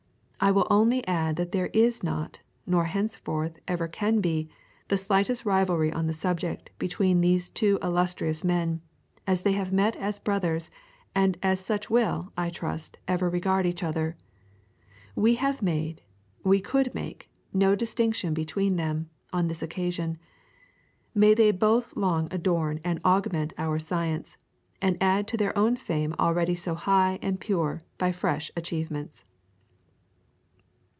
I will only add that as there is not, nor henceforth ever can be, the slightest rivalry on the subject between these two illustrious men as they have met as brothers, and as such will, I trust, ever regard each other we have made, we could make, no distinction between then, on this occasion. May they both long adorn and augment our science, and add to their own fame already so high and pure, by fresh achievements."